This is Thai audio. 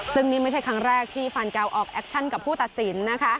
ซึ่งนี่ไม่ใช่ครั้งแรกที่ฟานแก้วออกแอคชั่นกับผู้ตัดสินนะคะ